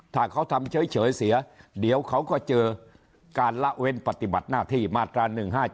ถ้าเขาทำเฉยเสียเดี๋ยวเขาก็เจอการละเว้นปฏิบัติหน้าที่มาตรา๑๕๗